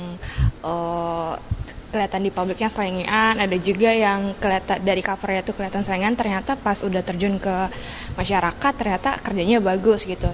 yang kelihatan di pabriknya seringgian ada juga yang dari covernya tuh kelihatan serengan ternyata pas udah terjun ke masyarakat ternyata kerjanya bagus gitu